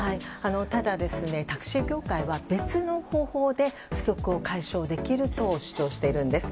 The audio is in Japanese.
ただ、タクシー業界は別の方法で不足を解消できると主張しているんです。